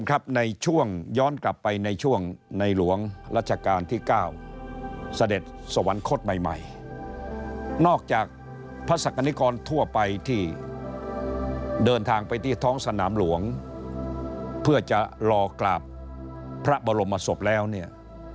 รัชกาลที่เก้าเสด็จสวรรคตใหม่นอกจากพระศักดิกรทั่วไปที่เดินทางไปที่ท้องสนามหลวงเพื่อจะรอกลับพระบรมสศพแล้วเนี่ย